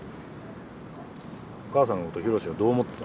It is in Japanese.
お母さんのこと博はどう思っとるん？